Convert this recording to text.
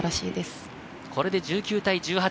これで１９対１８。